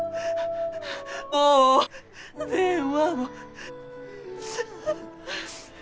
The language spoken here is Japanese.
「もう電話も」